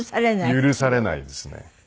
許されないですね。